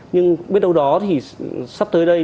nhưng biết đâu đó thì sắp tới đây